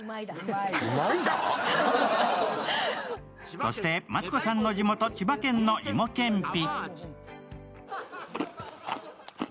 そしてマツコさんの地元・千葉県の芋けんぴ。